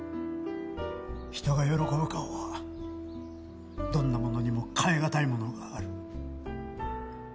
人が喜ぶ顔はどんなものにも代えがたいものがある。